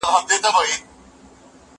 هغه وويل چي خبري ګټوري دي؟